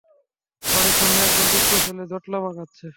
বাড়ির সামনে একদল দুষ্ট ছেলে জটলা পাকাচ্ছে।